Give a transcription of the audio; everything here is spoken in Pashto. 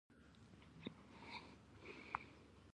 دا قاعدې موږ په مخکینۍ برخه کې تشرېح کړې.